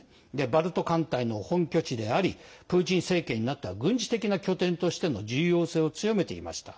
バルト艦隊の本拠地でありプーチン政権になってからは軍事的な拠点としての重要性を強めていました。